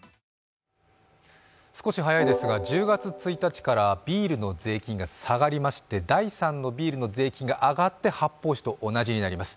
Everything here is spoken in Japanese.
少し早いですが１０月１日からビールの税金が下がりまして、第３のビールの値段が上がって発泡酒と同じになります。